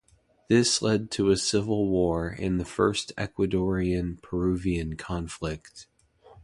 This led to a civil war and the first Ecuadorian-Peruvian conflict.